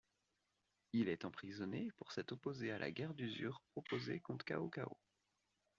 Il est emprisonné pour s'être opposé à la guerre d'usure proposée contre Cao Cao.